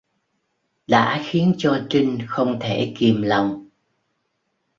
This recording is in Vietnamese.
Đã khiến cho trinh không thể kìm lòng